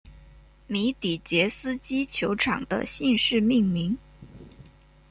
米底捷斯基球场的姓氏命名。